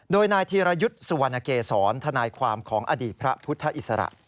โดยนายธีรยุทธ์สุวรรณเกษรทนายความของอดีตพระพุทธอิสระ